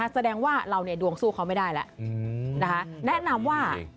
แสดงว่าเราดวงสู้เขาไม่ได้แล้ว